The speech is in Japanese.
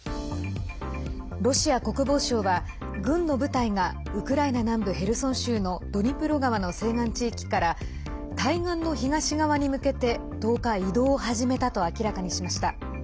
ロシア国防省は軍の部隊がウクライナ南部ヘルソン州のドニプロ川の西岸地域から対岸の東側に向けて１０日、移動を始めたと明らかにしました。